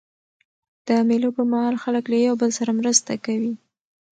د مېلو پر مهال خلک له یوه بل سره مرسته کوي.